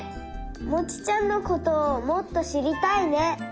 「モチちゃんのことをもっとしりたいね」。